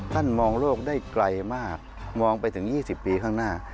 มองโลกได้ไกลมากมองไปถึง๒๐ปีข้างหน้า